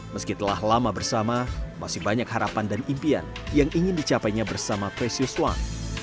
meski telah lama bersama masih banyak harapan dan impian yang ingin dicapainya bersama presius wang